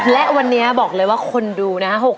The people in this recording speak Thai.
และวันนี้บอกเลยว่าคนดูนะฮะ